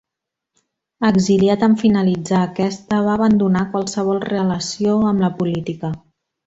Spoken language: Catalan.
Exiliat en finalitzar aquesta, va abandonar qualsevol relació amb la política.